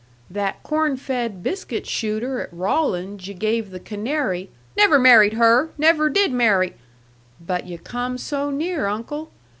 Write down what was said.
"That corn fed biscuit shooter at Rawlins yu' gave the canary " "Never married her. Never did marry " "But yu' come so near, uncle!